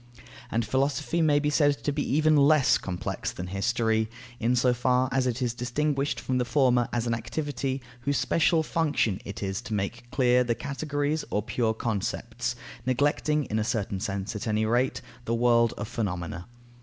And Philosophy may be said to be even less complex than History, in so far as it is distinguished from the former as an activity whose special function it is to make clear the categories or pure concepts, neglecting, in a certain sense at any rate, the world of phenomena.